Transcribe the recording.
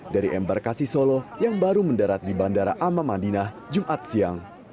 dari embarkasi solo yang baru mendarat di bandara ama madinah jumat siang